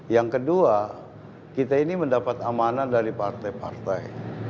yang kedua kita ini mendapat amanah dari partai partai